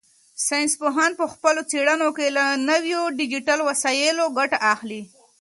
ساینس پوهان په خپلو څېړنو کې له نویو ډیجیټل وسایلو ګټه اخلي.